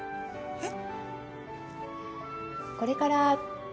えっ？